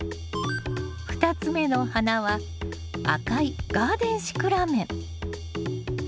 ２つ目の花は赤いガーデンシクラメン。